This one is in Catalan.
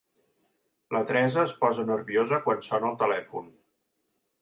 La Teresa es posa nerviosa quan sona el telèfon.